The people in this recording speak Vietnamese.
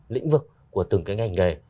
lĩnh vực của từng cái ngành nghề